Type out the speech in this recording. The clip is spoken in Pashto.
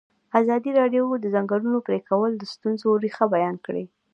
ازادي راډیو د د ځنګلونو پرېکول د ستونزو رېښه بیان کړې.